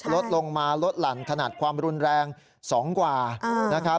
ลดลงมาลดหลั่นขนาดความรุนแรง๒กว่านะครับ